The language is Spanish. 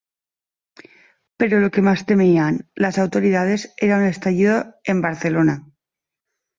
Pero lo que más temían las autoridades era un estallido en Barcelona.